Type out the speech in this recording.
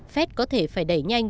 fed có thể phải đẩy nhanh